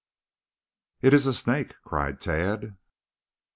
"It is a snake!" cried Tad.